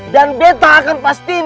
dan beta akan pastiin